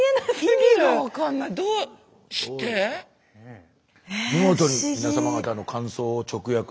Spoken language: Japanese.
見事に皆様方の感想を直訳しておりまして。